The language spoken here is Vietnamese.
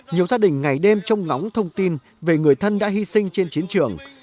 nhiều gia đình ngày đêm trông ngóng thông tin về người thân đã hy sinh trên chiến trường